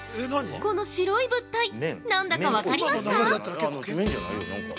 この白い物体、何だか分かりますか？